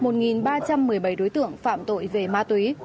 một ba trăm một mươi bảy đối tượng phạm tội về ma túy